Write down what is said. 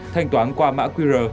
thanh toán qua mã qr